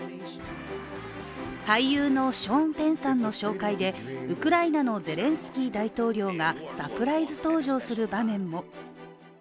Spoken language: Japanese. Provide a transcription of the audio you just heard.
俳優のショーン・ペンさんの紹介でウクライナのゼレンスキー大統領がサプライズ登場する場面も。